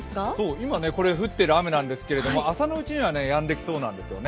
今、降っている雨なんですけど、朝のうちにはやんできそうなんですよね。